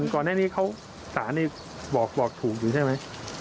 ก่อนหน้านี้เขาสารนี่บอกถูกอยู่ใช่ไหม